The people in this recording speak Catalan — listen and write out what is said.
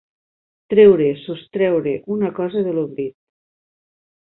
Treure, sostreure, una cosa de l'oblit.